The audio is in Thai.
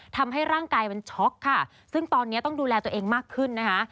ทำให้ร่างกายมันช็อกค่ะซึ่งตอนนี้ต้องดูแลตัวเองมากขึ้นนะคะ